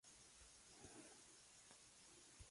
Nació en Constantinopla.